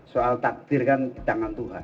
soal takdir kan di tangan tuhan